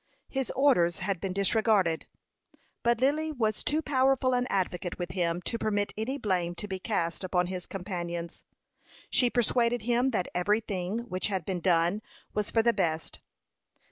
His orders had been disregarded; but Lily was too powerful an advocate with him to permit any blame to be cast upon his companions. She persuaded him that every thing which had been done was for the best.